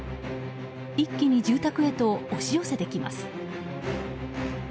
一気に住宅へと押し寄せてきます。